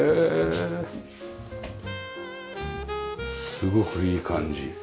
すごくいい感じ。